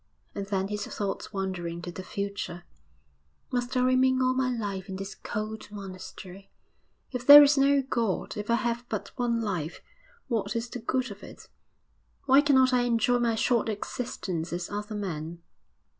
And then his thoughts wandering to the future, 'Must I remain all my life in this cold monastery? If there is no God, if I have but one life, what is the good of it? Why cannot I enjoy my short existence as other men?